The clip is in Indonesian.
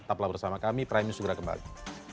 tetaplah bersama kami prime news segera kembali